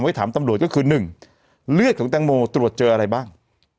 ไว้ถามตำรวจก็คือ๑เลือดของแตงโมตรวจเจออะไรบ้าง